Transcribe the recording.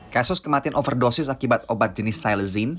kasus kematian overdosis akibat obat jenis cylezin